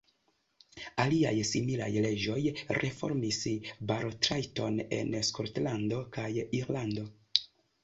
Aliaj similaj leĝoj reformis balotrajton en Skotlando kaj Irlando.